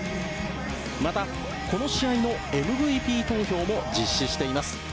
また、この試合のＭＶＰ投票も実施しています。